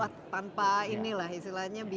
tanpa ini lah istilahnya